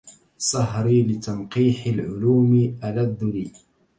سهري لتنقيح العلوم ألذ لي